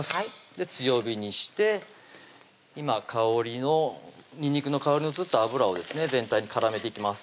強火にして今香りのにんにくの香りの移った油を全体に絡めていきます